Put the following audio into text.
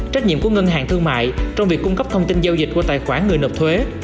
trách nhiệm của ngân hàng thương mại trong việc cung cấp thông tin giao dịch qua tài khoản người nộp thuế